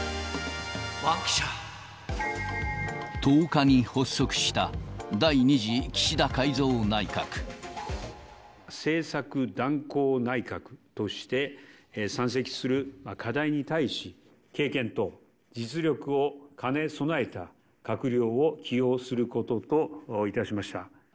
１０日に発足した第２次岸田政策断行内閣として、山積する課題に対し、経験と実力を兼ね備えた閣僚を起用することといたしました。